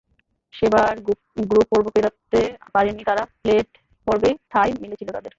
সেবার গ্রুপ পর্ব পেরোতে পারেনি তারা, প্লেট পর্বেই ঠাই মিলেছিল তাদের।